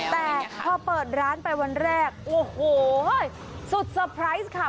แต่พอเปิดร้านไปวันแรกโอ้โหเว้ยสุดสะพนายณค่ะ